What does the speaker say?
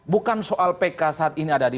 bukan soal pk saat ini ada di